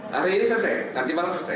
hari ini selesai nanti malam selesai